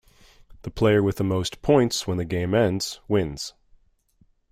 The player with the most points when the game ends wins.